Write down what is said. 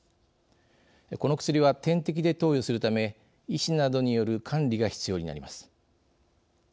この薬は点滴で投与するため医師などによる管理が必要になります。